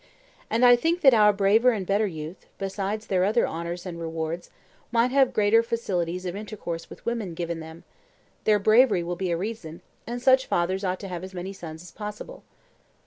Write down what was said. And I think that our braver and better youth, besides their other honours and rewards, might have greater facilities of intercourse with women given them; their bravery will be a reason, and such fathers ought to have as many sons as possible.